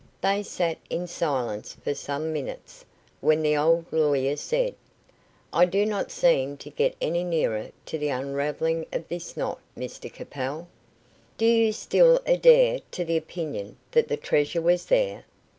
They sat in silence for some minutes, when the old lawyer said: "I do not seem to get any nearer to the unravelling of this knot, Mr Capel." "Do you still adhere to the opinion that the treasure was there?"